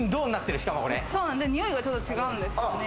においがちょっと違うんですよね。